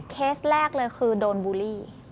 เคสแรกเลยคือโดนบูลลี่